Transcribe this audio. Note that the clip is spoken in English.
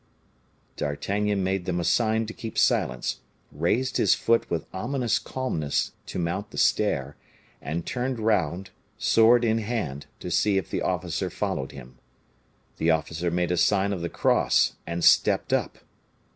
D'Artagnan made them a sign to keep silence, raised his foot with ominous calmness to mount the stair, and turned round, sword in hand, to see if the officer followed him. The officer made a sign of the cross and stepped up.